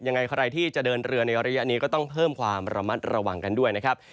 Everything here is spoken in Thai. ยังไงใครที่จะเดินเรือในระยะนี้ก็ต้องเพิ่มความระมัดระวังกันด้วยนะครับ